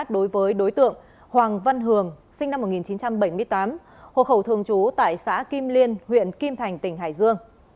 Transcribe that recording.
đối với đối tượng hoàng văn hường sinh năm một nghìn chín trăm bảy mươi tám hộ khẩu thường trú tại xã kim liên huyện kim thành tỉnh hải dương